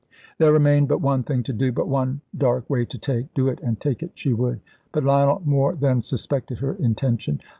There remained but one thing to do, but one dark way to take. Do it and take it she would. But Lionel more than suspected her intention.